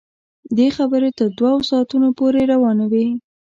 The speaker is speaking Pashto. دغه خبرې تر دوه ساعتونو پورې روانې وې.